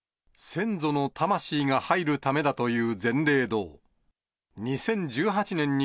先祖の魂が入るためだという善霊堂。